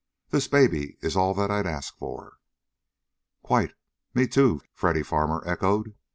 This baby is all that I'd ask for." "Quite; me, too!" Freddy Farmer echoed.